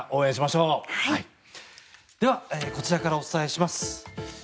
ではこちらからお伝えします。